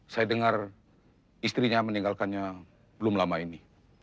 saya dengar istrinya meninggalkannya belum lama ini